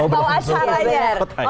mau asal aja